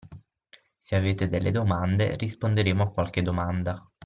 Se avete delle domande, risponderemo a qualche domanda.